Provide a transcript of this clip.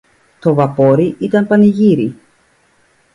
Το βαπόρι ήταν πανηγύρι